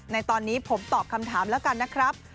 ในตอนนี้ผมตอบคำถามแล้วกันนะครับ